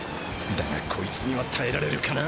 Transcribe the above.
だがこいつにはたえられるかな？